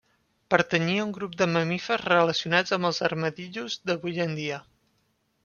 Pertanyia a un grup de mamífers relacionats amb els armadillos d'avui en dia.